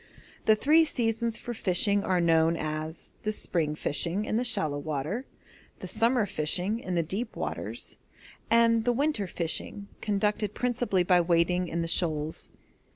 The three seasons for fishing are known as 'the spring fishing' in the shallow water, 'the summer fishing' in the deep waters, and 'the winter fishing' conducted principally by wading in the shoals.